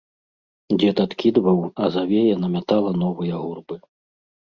Дзед адкідваў, а завея намятала новыя гурбы.